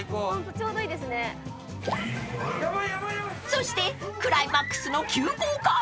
［そしてクライマックスの急降下！］